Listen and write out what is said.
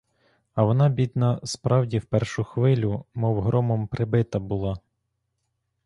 А вона бідна справді в першу хвилю, мов громом прибита була.